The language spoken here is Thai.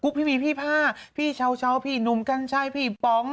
กรุ๊ปพี่เม่ย์พี่ผ้าพี่ชาวชาวพี่นุ่มกันช่ายพี่ปอง